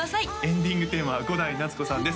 エンディングテーマは伍代夏子さんです